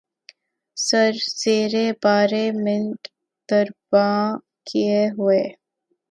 سر زیرِ بارِ منت درباں کیے ہوئے